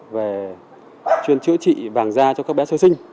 về chuyên chữa trị vàng da cho các bé sơ sinh